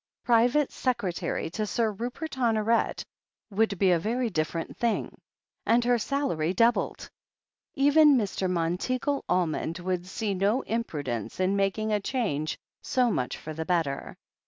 Private secretary to Sir Rupert Hono ret would be a very different thing. And her salary doubled — even Mr. Monteagle Almond would see no imprudence in making a change so much for the better.